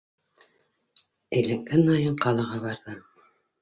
Әйләнгән һайын ҡалаға барҙы.